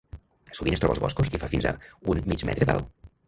Sovint es troba als boscos i fa fins a un mig metre d’alt.